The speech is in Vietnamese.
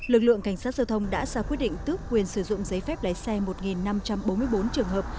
lực lượng cảnh sát giao thông đã ra quyết định tước quyền sử dụng giấy phép lái xe một năm trăm bốn mươi bốn trường hợp